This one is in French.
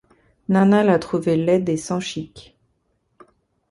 Nana la trouvait laide et sans chic.